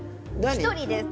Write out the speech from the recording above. １人です。